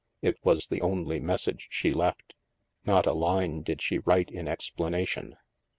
It was the only message she left. Not a line did she write in explanation.